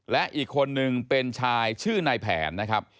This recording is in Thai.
และอีกคนนึงเป็นชายชื่อนายแผนนะครับ